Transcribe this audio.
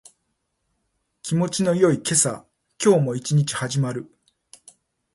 気持ちの良い朝日。今日も一日始まる。